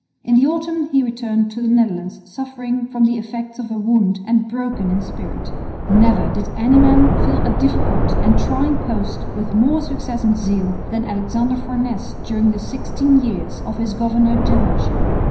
In the autumn he returned to the Netherlands suffering from the effects of a wound and broken in spirit. Never did any man fill a difficult and trying post with more success and zeal than Alexander Farnese during the sixteen years of his governor generalship.